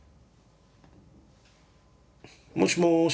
もしもし。